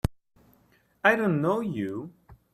I don't know you!